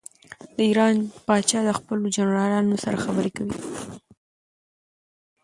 د ایران پاچا د خپلو جنرالانو سره خبرې کوي.